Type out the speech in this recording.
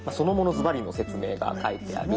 ズバリの説明が書いてある。